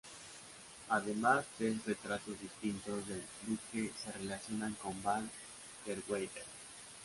Además, tres retratos distintos del duque se relacionan con Van der Weyden.